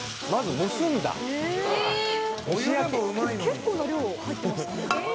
結構な量入ってますね。